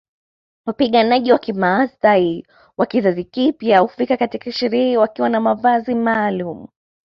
Wapiganaji wa kimaasai wa kizazi kipya hufika katika sherehe wakiwa na mavazi maalumu